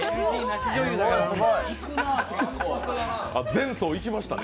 全層いきましたね。